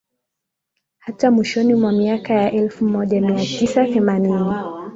hata mwishoni mwa miaka ya elfu moja mia tisa themanini